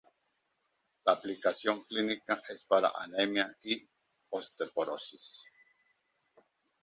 La aplicación clínica es para anemia y osteoporosis.